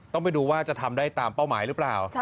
ต้องไปดูว่าจะทำได้ตามเป้าหมายหรือเปล่า